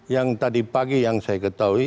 yang tadi pagi yang saya ketahui